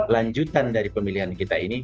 lanjutan dari pemilihan kita ini